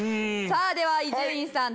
さあでは伊集院さん